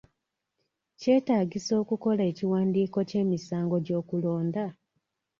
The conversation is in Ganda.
Kyetaagisa okukola ekiwandiiko ky'emisango gy'okulonda?